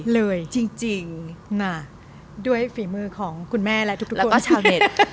เลยจริงนะด้วยฝีมือของคุณแม่และทุกคนก็ชาวเน็ต